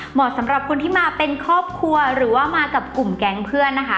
เหมาะสำหรับคนที่มาเป็นครอบครัวหรือว่ามากับกลุ่มแก๊งเพื่อนนะคะ